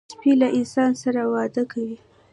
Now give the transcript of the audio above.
سپي له انسان سره وده کوي.